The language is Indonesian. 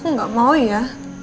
enggak mau ya